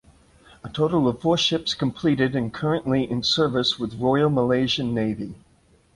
A total of four ships completed and currently in service with Royal Malaysian Navy.